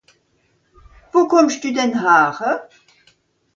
Wo kùmmsch denn dü häre?